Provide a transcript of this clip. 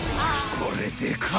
［これでかっ！］